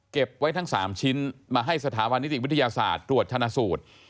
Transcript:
เก็บไว้ทั้ง๓ชิ้นมาให้สถาบันนิติวิทยาศาสตร์ตรวจชนะสูตร